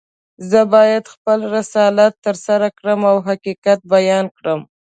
زه باید خپل رسالت ترسره کړم او حقیقت بیان کړم.